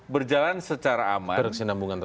berjalan secara aman